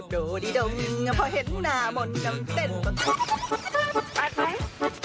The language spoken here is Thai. โดดิดองพอเห็นหน้ามนต์กันเต้นปะตรง